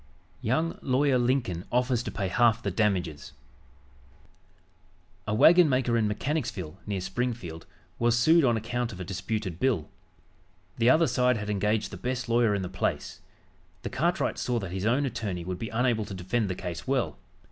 YOUNG LAWYER LINCOLN OFFERS TO PAY HALF THE DAMAGES A wagonmaker in Mechanicsville, near Springfield, was sued on account of a disputed bill. The other side had engaged the best lawyer in the place. The cartwright saw that his own attorney would be unable to defend the case well.